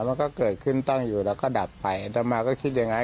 มันก็เกิดขึ้นตั้งอยู่แล้วก็ดับไปต่อมาก็คิดยังไง